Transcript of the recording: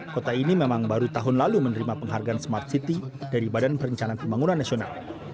kota ini memang baru tahun lalu menerima penghargaan smart city dari badan perencanaan pembangunan nasional